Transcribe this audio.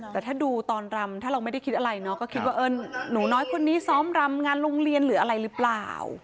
แต่ถ้าดูตอนรำถ้าเราไม่ได้คิดอะไรเนาะก็คิดว่าหนูน้อยคนนี้ซ้อมรำงานโรงเรียนหรืออะไรหรือเปล่า